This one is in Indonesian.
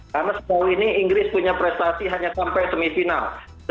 karena semua ini inggris punya prestasi hanya sampai semifinal